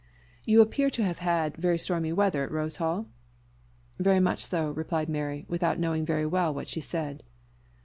"You appear to have had very stormy weather at Rose Hall?" "Very much so," replied Mary, without knowing very well what she said.